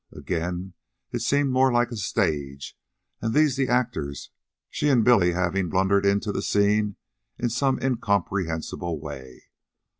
Again, it seemed more like a stage, and these the actors, she and Billy having blundered into the scene in some incomprehensible way.